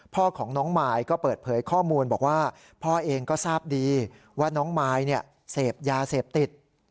พ่อของน้องมายก็เปิดเผยข้อมูลบอกว่าพ่อเองก็ทราบดีว่าน้องมายเสพยาเสพติด